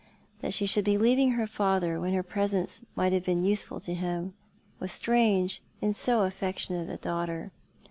That she shoiild be leaving her father when her presence might have been useful to him was strange in so affectionate a daughter.